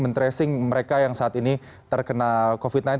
men tracing mereka yang saat ini terkena covid sembilan belas